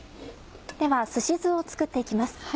ではすし酢を作って行きます。